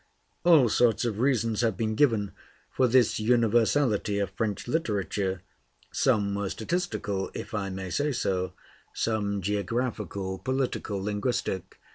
All sorts of reasons have been given for this universality of French literature: some were statistical, if I may say so, some geographical, political, linguistic.